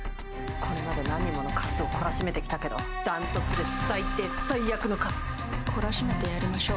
これまで、何人ものかすを懲らしめてきたけど断トツで最低最悪のかす。